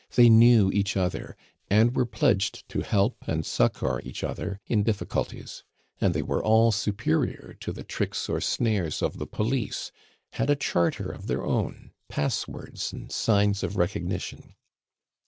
They knew each other, and were pledged to help and succor each other in difficulties. And they were all superior to the tricks or snares of the police, had a charter of their own, passwords and signs of recognition.